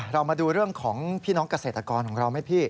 เรามาดูเรื่องของพี่น้องเกษตรกรของเราไหมพี่